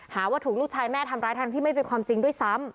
หาว่าถูกลูกชายแม่ทำร้ายทั้งที่ไม่เป็นความจริงด้วยซ้ำ